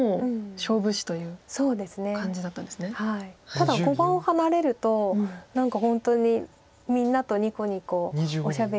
ただ碁盤を離れると何か本当にみんなとニコニコおしゃべりして。